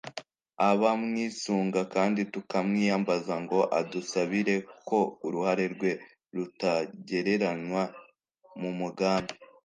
abamwisunga kandi tukamwiyambaza ngo adusabire ko uruhare rwe rutagereranywa mu mugambi